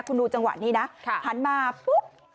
คุณดูจังหวะนี้นะหันมาปุ๊บ